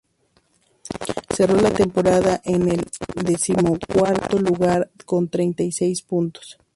Cerró la temporada en el decimocuarto lugar con treinta y seis puntos.